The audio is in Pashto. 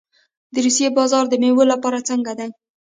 د روسیې بازار د میوو لپاره څنګه دی؟